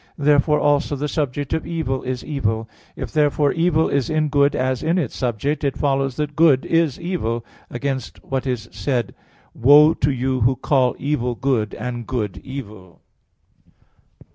Therefore also the subject of evil is evil. If, therefore, evil is in good as in its subject, it follows that good is evil, against what is said (Isa. 5:20): "Woe to you who call evil good, and good evil!"